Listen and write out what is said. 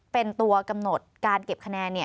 เป็นตัวกำหนดการเก็บคะแนน